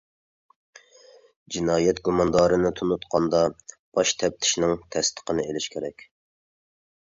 جىنايەت گۇماندارىنى تونۇتقاندا، باش تەپتىشنىڭ تەستىقىنى ئېلىش كېرەك.